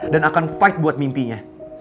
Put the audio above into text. dan akan fight buat mimpinya